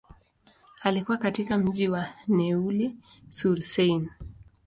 Alikua katika mji wa Neuilly-sur-Seine.